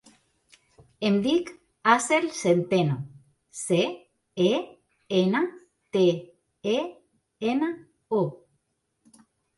Em dic Aseel Centeno: ce, e, ena, te, e, ena, o.